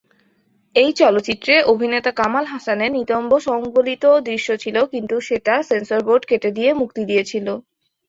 এই চলচ্চিত্রে অভিনেতা কামাল হাসানের নিতম্ব সংবলিত দৃশ্য ছিলো কিন্তু সেটা সেন্সর বোর্ড কেটে দিয়ে মুক্তি দিয়েছিলো।